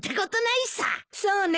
そうね。